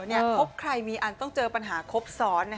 คบใครมีอันต้องเจอปัญหาครบซ้อน